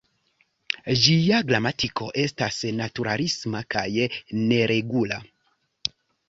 Ĝia gramatiko estas naturalisma kaj neregula.